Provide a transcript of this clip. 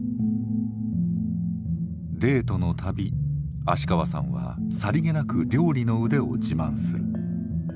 デートの度芦川さんはさりげなく料理の腕を自慢する。